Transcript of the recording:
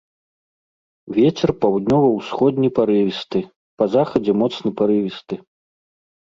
Вецер паўднёва-ўсходні парывісты, па захадзе моцны парывісты.